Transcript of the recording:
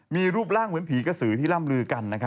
มีรูปร่างเหมือนผีกระสือที่ร่ำลือกัน